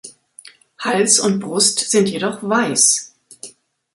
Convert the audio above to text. Hals und Brust sind jedoch weiß.